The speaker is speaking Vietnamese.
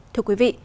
thưa quý vị